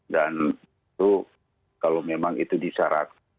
dan itu kalau memang itu disarat